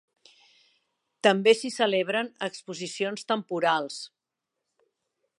També s'hi celebren exposicions temporals.